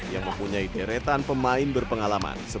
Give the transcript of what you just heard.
yang mempunyai deretan pemain berpengalaman